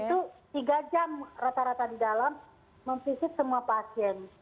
jadi kita tiga jam rata rata di dalam memfisik semua pasien